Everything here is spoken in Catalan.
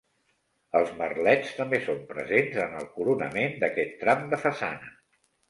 Els merlets també són presents en el coronament d'aquest tram de façana.